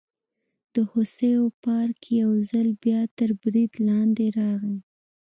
د هوسیو پارک یو ځل بیا تر برید لاندې راغی.